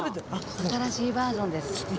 新しいバージョンです。